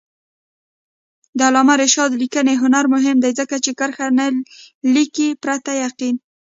د علامه رشاد لیکنی هنر مهم دی ځکه چې کرښه نه لیکي پرته یقین.